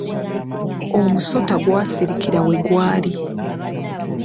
Omusota gwasirikira we gwali.